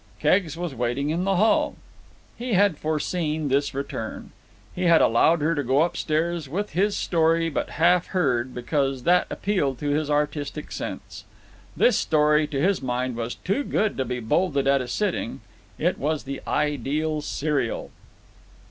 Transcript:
Keggs was waiting in the hall. He had foreseen this return. He had allowed her to go upstairs with his story but half heard because that appealed to his artistic sense. This story, to his mind, was too good to be bolted at a sitting; it was the ideal serial.